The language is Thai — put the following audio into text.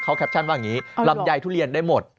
เขาแคปชั่นว่าอย่างนี้ลำไยทุเรียนได้หมด